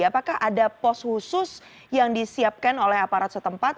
apakah ada pos khusus yang disiapkan oleh aparat setempat